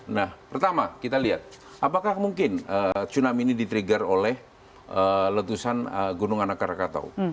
nah pertama kita lihat apakah mungkin tsunami ini diterigger oleh letusan gunung anak krakatau